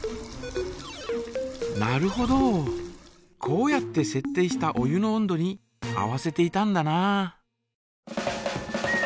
こうやってせっ定したお湯の温度に合わせていたんだな。